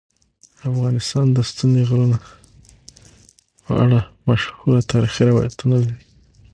افغانستان د ستوني غرونه په اړه مشهور تاریخی روایتونه لري.